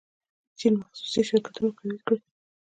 چین خصوصي شرکتونه قوي کړي.